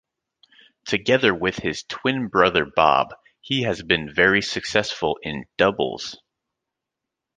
Together with his twin brother Bob, he has been very successful in doubles.